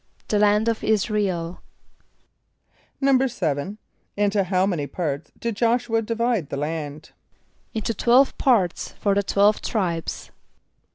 =The land of [)I][s+]´ra el.= =7.= Into how many parts did J[)o]sh´u [.a] divide the land? =Into twelve parts for the twelve tribes.